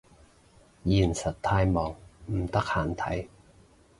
現實太忙唔得閒睇